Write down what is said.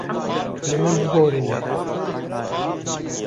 Li min biborîne.